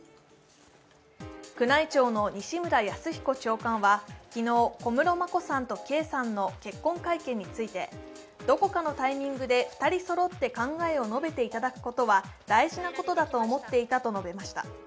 宮内庁の西村泰彦長官は、昨日、小室圭さんと眞子さんの結婚会見について、どこかのタイミングで２人そろって考えを述べていただくことは大事なことだと思っていたと述べました。